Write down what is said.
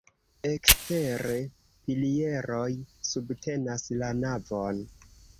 Ekstere pilieroj subtenas la navon.